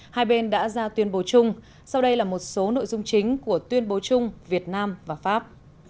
hai bên đã ra tuyên bố chung sau đây là một số nội dung chính của tuyên bố chung việt nam và pháp